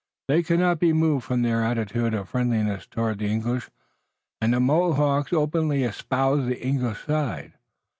They could not be moved from their attitude of friendliness toward the English, and the Mohawks openly espoused the English side.